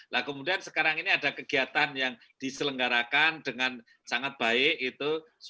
nah kemudian sekarang ini ada kegiatan yang diselenggarakan dengan sangat baik gitu